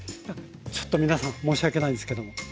ちょっと皆さん申し訳ないですけども。